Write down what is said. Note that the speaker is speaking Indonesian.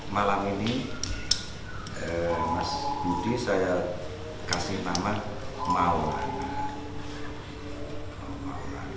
malam ini mas budi saya kasih nama mau